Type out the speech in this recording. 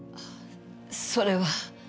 それは。